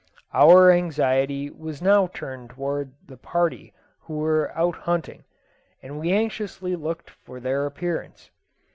Our anxiety was now turned towards the party who were out hunting, and we anxiously looked for their appearance.